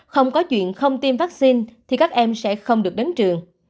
không có chuyện không tiêm vaccine thì các em sẽ không được đến trường